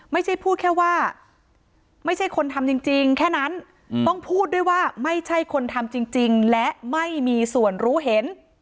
ไม่ใช่พูดแค่ว่าไม่ใช่คนทำจริงแค่นั้นต้องพูดด้วยว่าไม่ใช่คนทำจริงและไม่มีส่วนรู้เห็น